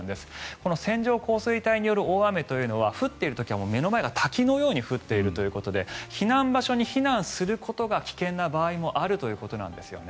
この線状降水帯による大雨は降っている時には目の前が滝のように降っているということで避難場所に避難することが危険な場合もあるということなんですよね。